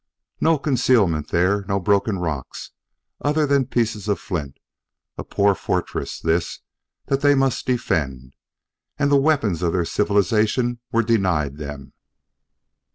No concealment there; no broken rocks, other than pieces of flint; a poor fortress, this, that they must defend! And the weapons of their civilization were denied them.